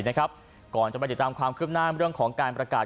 นะครับก่อนจะไปเดี๋ยวตามความคลิปหน้าเรื่องของการประกาศ